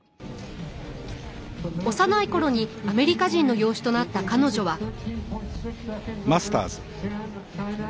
幼いころにアメリカ人の養子となった彼女は。